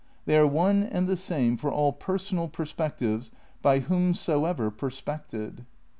Tbey are one and tbe same for all personal perspec tives by whomsoever perspected.